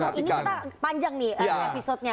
nanti ini kita panjang nih episode nya